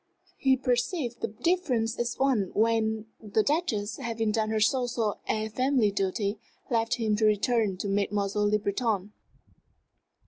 He perceived the difference at once when the Duchess, having done her social and family duty, left him to return to Mademoiselle Le Breton.